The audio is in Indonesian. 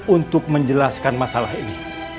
untuk menjelaskan masalah ini